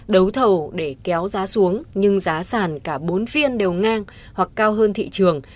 đấu thầu để kéo giá xuống nhưng giá sản cả bốn phiên đều ngang hoặc cao hơn thị trường